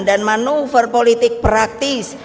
dan manuver politik praktis